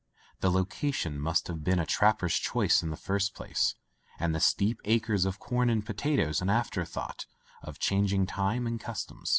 The location must have been a trapper's choice in the first place, and the steep acres of corn and potatoes an after thought of changing time and custom.